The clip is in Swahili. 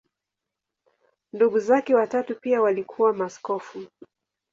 Ndugu zake watatu pia walikuwa maaskofu.